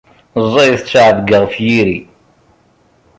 Ẓẓayet ttεebga ɣef yiri.